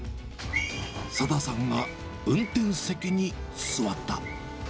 佐田さんが運転席に座った。